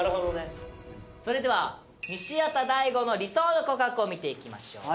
それでは西畑大吾の理想の告白を見ていきましょう。